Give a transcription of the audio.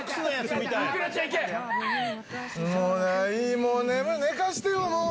もういいもう眠い寝かしてよ